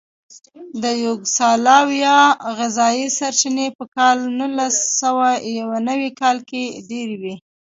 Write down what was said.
د یوګوسلاویا غذایي سرچینې په کال نولسسوهیونوي کال کې ډېرې وې.